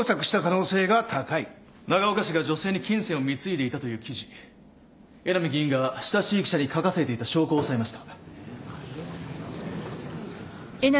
長岡氏が女性に金銭を貢いでいたという記事江波議員が親しい記者に書かせていた証拠を押さえました。